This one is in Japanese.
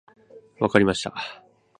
分かりました。